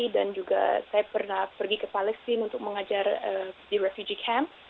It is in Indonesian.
dan juga saya pernah pergi ke palestine untuk mengajar di refugee camp